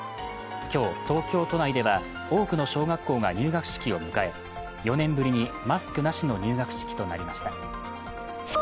今日、東京都内では多くの小学校が入学式を迎え４年ぶりにマスクなしの入学式となりました。